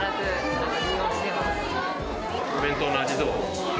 お弁当の味、どう？